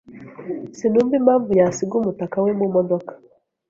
Sinumva impamvu yasiga umutaka we mumodoka.